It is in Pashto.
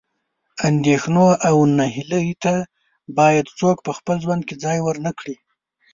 اندېښنو او نهیلۍ ته باید څوک په خپل ژوند کې ځای ورنه کړي.